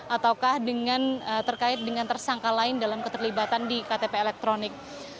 ataukah terkait dengan tersangka lain dalam keterlibatan di ktp elektronik